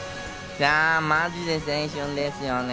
いや、マジで青春ですよね。